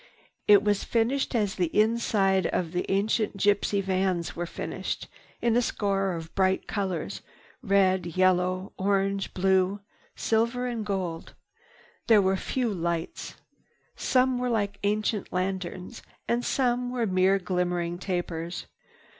It was finished as the inside of the ancient gypsy vans were finished, in a score of bright colors, red, yellow, orange, blue, silver and gold. There were few lights. Some were like ancient lanterns, and some were mere glimmering tapers.